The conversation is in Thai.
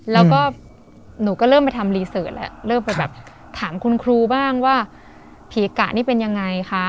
แล้วก็หนูก็เริ่มไปทำรีเสิร์ตแล้วเริ่มไปแบบถามคุณครูบ้างว่าผีกะนี่เป็นยังไงคะ